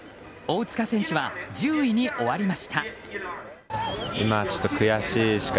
大塚選手は１０位に終わりました。